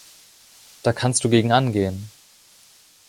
Da kannst du gegen angehen.